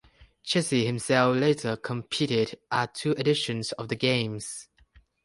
Jessy himself later competed at two editions of the Games.